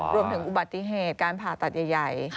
รวมถึงอุบัติเหตุการผ่าตัดใหญ่